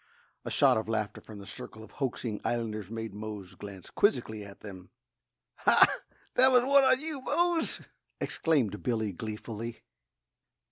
A shout of laughter from the circle of hoaxing islanders made Mose glance quizzically at them. "Ha! that was one on you, Mose," exclaimed Billy gleefully.